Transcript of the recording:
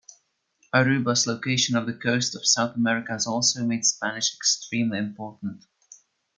Aruba's location off the coast of South America has also made Spanish extremely important.